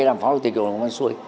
làm phó chủ tịch hội đồng văn xui